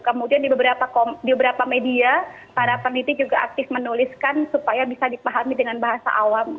kemudian di beberapa media para peneliti juga aktif menuliskan supaya bisa dipahami dengan bahasa awam